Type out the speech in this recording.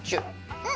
うん。